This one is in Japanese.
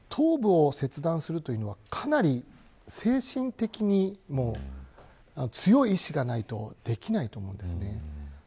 ただ、頭部を切断するというのはかなり精神的に強い意志がないとできないと思うんですね。